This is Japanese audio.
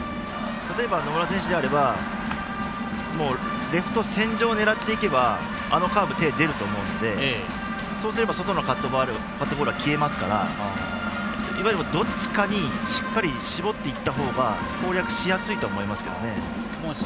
たとえば野村選手であればレフト線上を狙っていけばあのカーブ、手が出ると思うのでそうすれば外のカットボールは消えますからどっちかに、しっかり絞っていったほうが攻略しやすいと思いますけどね。